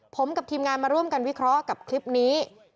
ผมกับทีมงานมาร่วมกันวิเคราะห์กับคลิปนี้